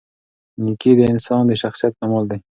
نېکي د انسان د شخصیت کمال دی.